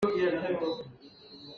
Nichuak cuanh cu a nuam ngaingai.